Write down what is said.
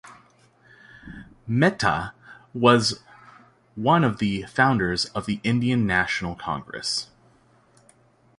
Mehta was one of the founders of the Indian National Congress.